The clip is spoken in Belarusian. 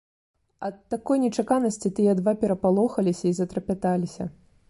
Ад такой нечаканасці тыя два перапалохаліся і затрапяталіся.